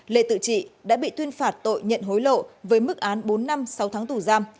lê tự trị đã bị tuyên phạt tội nhận hối lộ với mức án bốn năm sáu tháng tù giam